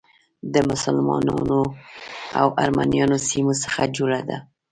د مسلمانو او ارمنیایي سیمو څخه جوړه ده.